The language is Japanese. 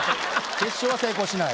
決勝は成功しない。